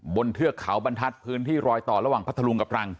เทือกเขาบรรทัศน์พื้นที่รอยต่อระหว่างพัทธรุงกับรัง